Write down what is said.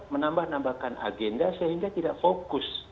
menambah nambahkan agenda sehingga tidak fokus